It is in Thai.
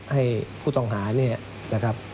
ให้ผู้ต้องหาเนี่ยนะครับ